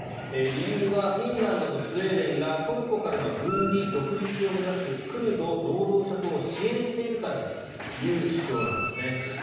理由はフィンランドとスウェーデンがトルコからの分離独立を目指すクルド労働者党を支援しているからだという主張なんですね。